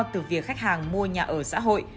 từ việc khách hàng mua nhà ở xã hội